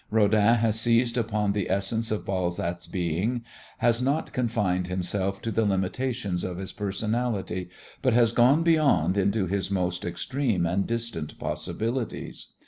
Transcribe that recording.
Rodin has seized upon the essence of Balzac's being, has not confined himself to the limitations of his personality, but has gone beyond into his most extreme and distant possibilities.